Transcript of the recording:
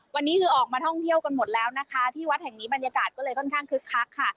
วันนี้คือออกมาท่องเที่ยวกันหมดแล้วนะคะที่วัดแห่งนี้บรรยากาศก็เลยค่อนข้างคึกคักค่ะ